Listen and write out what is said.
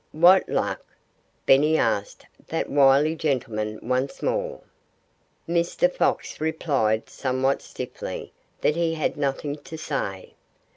"What luck?" Benny asked that wily gentleman once more. Mr. Fox replied somewhat stiffly that he had nothing to say.